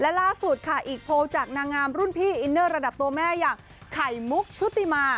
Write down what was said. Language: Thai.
และล่าสุดค่ะอีกโพลจากนางงามรุ่นพี่อินเนอร์ระดับตัวแม่อย่างไข่มุกชุติมา